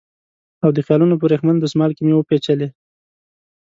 او د خیالونو په وریښمین دسمال کې مې وپېچلې